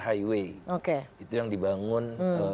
highway itu yang dibangun